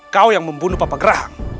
kau yang membunuh papa gerah